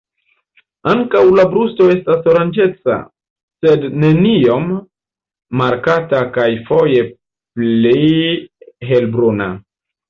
Ankaŭ la brusto estas oranĝeca, sed ne tiom markata kaj foje pli helbruna.